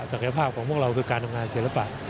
ภาพของพวกเราคือการทำงานศิลปะ